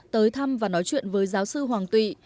tới thăm và nói chuyện với giáo sư hoàng tụy